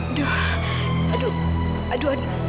aduh aduh aduh aduh